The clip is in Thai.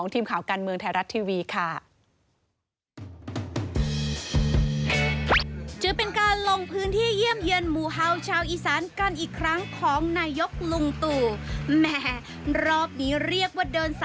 ทีมข่าวกันเวลาเช่นเดียว